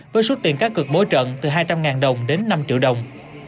với suất tiền cá cực bối trận từ hai trăm linh đồng đến năm triệu đồng